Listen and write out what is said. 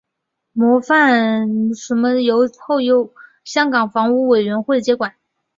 模范邨其后由香港房屋委员会接管。